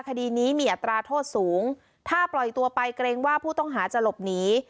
คดีนี้มีอัตราโทษสูงถ้าปล่อยตัวไปเกรงว่าผู้ต้องหาจะหลบหนี